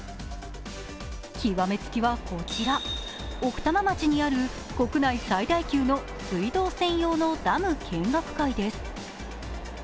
極め付きはこちら、奥多摩町にある国内最大級の水道専用のダム見学会です。